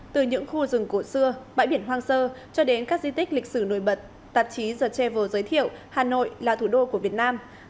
từ những khu rừng cổ xưa bãi biển hoang sơ cho đến các di tích lịch sử nổi bật tạp chí the travel giới thiệu hà nội là thủ đô của việt nam